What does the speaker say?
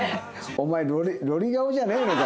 お前ロリ顔じゃねえのかよ。